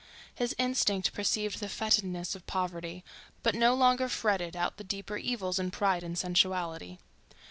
His instinct perceived the fetidness of poverty, but no longer ferreted out the deeper evils in pride and sensuality.